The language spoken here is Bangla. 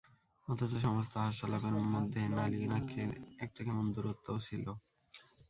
অথচ সমস্ত হাস্যালাপের মধ্যে নলিনাক্ষের একটা কেমন দূরত্বও ছিল।